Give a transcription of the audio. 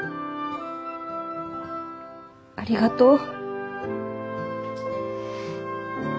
ありがとう。